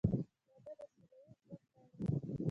• واده د سوله ییز ژوند پیل دی.